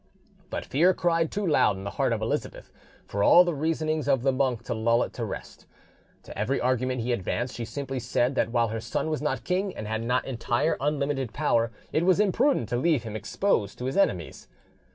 But fear cried too loud in the heart of Elizabeth for all the reasonings of the monk to lull it to rest: to every argument he advanced she simply said that while her son was not king and had not entire unlimited power, it was imprudent to leave him exposed to his enemies.